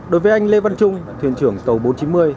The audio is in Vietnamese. đối với anh lê văn trung thuyền trưởng tàu bốn trăm chín mươi